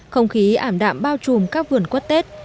không khí ảm đạm bao trùm các vườn quất tết